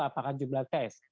apakah jumlah tes